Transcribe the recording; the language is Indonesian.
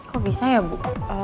kok bisa ya bu